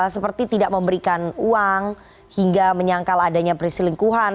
seperti tidak memberikan uang hingga menyangkal adanya perisilingkuhan